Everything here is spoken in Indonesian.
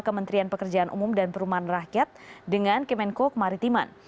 kementerian pekerjaan umum dan perumahan rakyat dengan kemenko kemaritiman